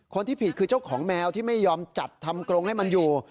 ผิดคือเจ้าของแมวที่ไม่ยอมจัดทำกรงให้มันอยู่